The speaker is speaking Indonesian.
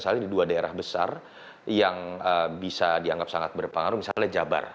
tapi kalau kita lihat di dua daerah besar yang bisa dianggap sangat berpengaruh misalnya jabar